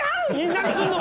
何すんの！